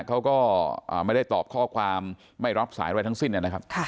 เขาก็ไม่ได้ตอบข้อความไม่รับสายอะไรทั้งสิ้นนะครับ